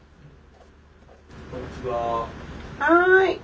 はい。